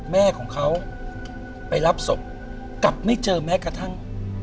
แม่ของเขาไปรับศพกลับไม่เจอแม้กระทั่ง